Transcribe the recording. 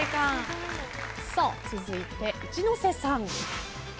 さあ続いて一ノ瀬さん。